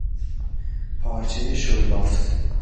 پارچه شلبافت